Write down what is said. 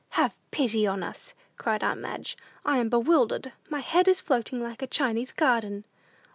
"Have pity on us!" cried aunt Madge; "I am bewildered; my head is floating like a Chinese garden."